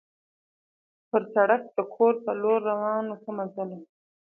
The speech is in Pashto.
پر سړک د کور په لور روان وو، ښه مزل وو.